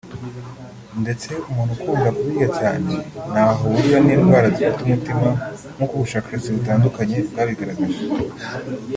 ndetse umuntu ukunda kubirya cyane ntaho ahurira n’indwara zifata umutima nk'uko ubushakashatsi butandukanye bwabigaragaje